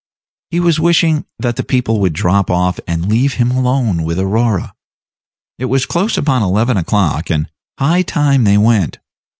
He was wishing that the people would drop off and leave him alone with Aurora. It was close upon eleven o'clock, and high time they went.